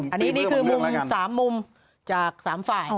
อันนี้คือ๓มุมจาก๓ฝ่าย